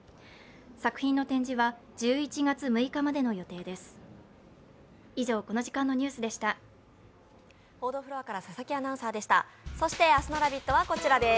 作品の展示は１１月６日までの予定です。